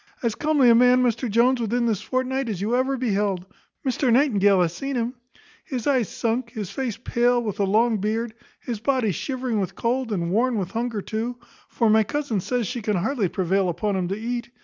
As comely a man, Mr Jones, within this fortnight, as you ever beheld; Mr Nightingale hath seen him. His eyes sunk, his face pale, with a long beard. His body shivering with cold, and worn with hunger too; for my cousin says she can hardly prevail upon him to eat.